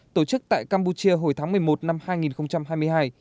tổ chức tại campuchia hồi tháng một mươi một năm hai nghìn hai mươi hai